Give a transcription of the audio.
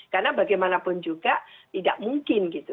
karena bagaimanapun juga tidak mungkin gitu